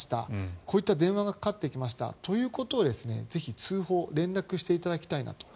こういった電話がかかってきましたということをぜひ、通報連絡していただきたいなと。